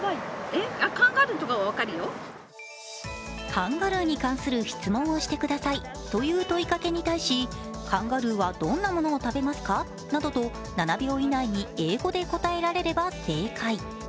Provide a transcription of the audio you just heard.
カンガルーに関する質問をしてくださいという問いかけに対しカンガルーはどんなものを食べますか？などと７秒以内に英語で答えられれば正解。